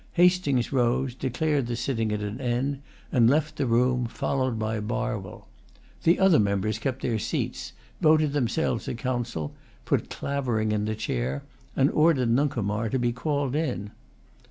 Hastings rose, declared the sitting at an end, and left the room, followed by Barwell. The other members kept their seats, voted themselves a council, put Clavering in the chair, and ordered Nuncomar to be called in.